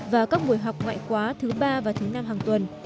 và các buổi học ngoại khóa thứ ba và thứ năm hàng tuần